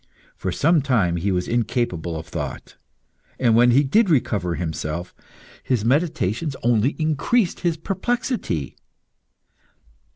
For some time he was incapable of thought and when he did recover himself, his meditations only increased his perplexity.